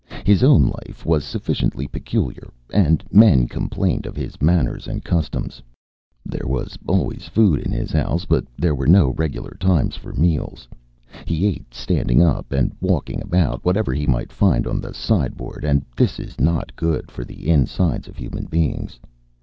His own life was sufficiently peculiar, and men complained of his manners and customs. There was always food in his house, but there were no regular times for meals. He ate, standing up and walking about, whatever he might find on the sideboard, and this is not good for the insides of human beings.